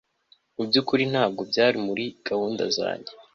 mu byukuri ntabwo byari muri gahunda zanjye